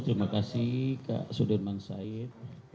terima kasih kak sudirman said